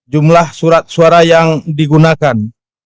jumlah surat suara yang digunakan